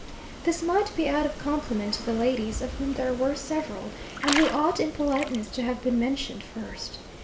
This might be out of compliment to the ladies, of whom there were several, and who ought in politeness to have been mentioned first.